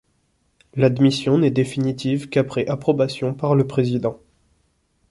L'admission n'est définitive qu'après approbation par le Président.